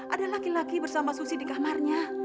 ada laki laki bersama susi di kamarnya